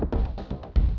ya ada tiga orang